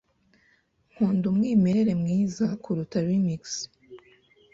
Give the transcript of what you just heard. Nkunda umwimerere mwiza kuruta remix.